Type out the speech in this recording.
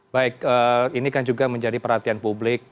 baik ini kan juga menjadi perhatian publik